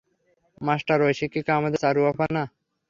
Master, ওই শিক্ষিকা আমাদের চারু আপা না?